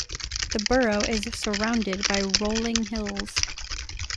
The borough is surrounded by rolling hills.